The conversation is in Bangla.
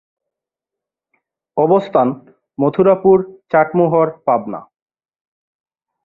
অবস্থান: মথুরাপুর, চাটমোহর, পাবনা।